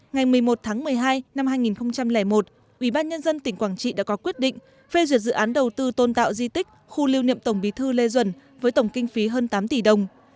ngày một mươi một tháng một mươi hai năm hai nghìn một ubnd tỉnh quảng trị đã có quyết định phê duyệt dự án đầu tư tôn tạo di tích khu lưu niệm tổng bí thư lê duẩn với tổng kinh phí hơn tám tỷ đồng